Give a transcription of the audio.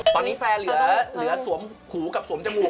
ตอนนี้แฟนเหลือสวมหูกับสวมจมูก